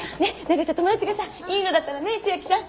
何かさ友達がさいいのだったらね千明さん。